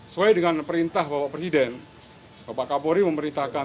sesuai dengan perintah bapak presiden bapak kapolri memberitakan